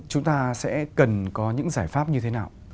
chúng ta sẽ cần có những giải pháp như thế nào